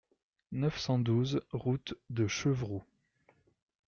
neuf cent douze route de Chevroux